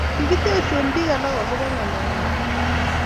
kakitepsen piik alak akopo ngalek kab peek